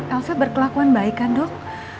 elsa berkelakuan baik kan dok